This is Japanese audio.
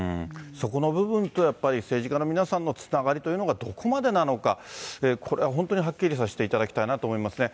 そこの部分っていうのは、やっぱり政治家の皆さんのつながりというのがどこまでなのか、これは本当にはっきりさせていただきたいなと思いますね。